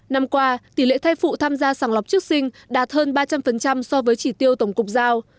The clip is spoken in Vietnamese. năm qua tỷ lệ thai phụ tham gia sàng lọc trước sinh đạt hơn ba trăm linh so với chỉ tiêu tổng cục giao